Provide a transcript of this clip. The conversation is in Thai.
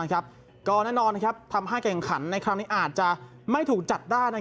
ก็แน่นอนทำให้การแข่งขันในครั้งนี้อาจจะไม่ถูกจัดได้